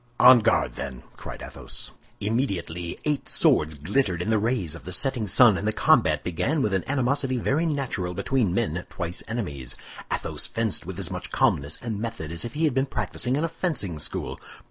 "On guard, then!" cried Athos. Immediately eight swords glittered in the rays of the setting sun, and the combat began with an animosity very natural between men twice enemies. Athos fenced with as much calmness and method as if he had been practicing in a fencing school.